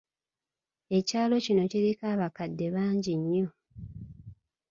Ekyalo kino kiriko abakadde bangi nnyo.